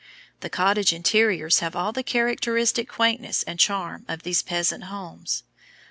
The cottage interiors have all the characteristic quaintness and charm of these peasant homes.